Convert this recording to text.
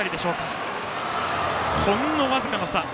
ほんの僅かの差。